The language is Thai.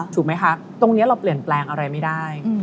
ตรงนี้เราเปลี่ยนแปลงอะไรไม่ได้